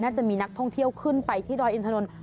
จะมีนักท่องเที่ยวขึ้นไปที่ดอยอินทนนท์